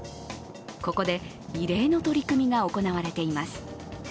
ここで異例の取り組みが行われています。